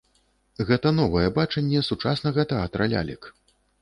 Гэта новае бачанне сучаснага тэатра лялек.